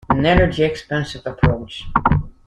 An energy-expensive approach.